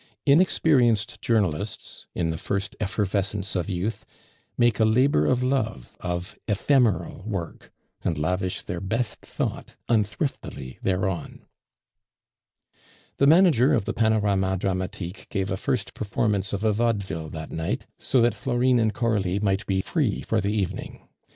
Inexperienced journalists, in the first effervescence of youth, make a labor of love of ephemeral work, and lavish their best thought unthriftily thereon. The manager of the Panorama Dramatique gave a first performance of a vaudeville that night, so that Florine and Coralie might be free for the evening.